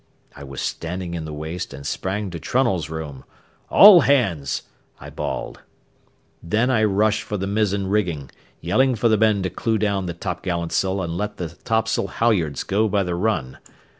I was standing in the waist and sprang to Trunnell's room "All hands!" I bawled. Then I rushed for the mizzen rigging, yelling for the men to clew down the t'gallantsail and let the topsail halyards go by the run.